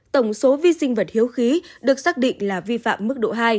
tổng số vi sinh vật hiếu khí được xác định là vi phạm mức độ hai